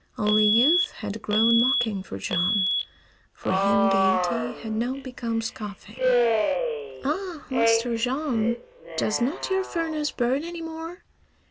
Only youth had grown mocking for Jean. For him gaiety had now become scoffing. "Ah, Master Jean! Does not your furnace burn any more?